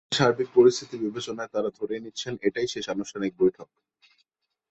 দেশের সার্বিক পরিস্থিতি বিবেচনায় তাঁরা ধরেই নিচ্ছেন, এটাই শেষ আনুষ্ঠানিক বৈঠক।